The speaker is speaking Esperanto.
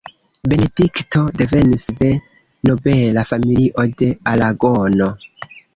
Benedikto devenis de nobela familio de Aragono.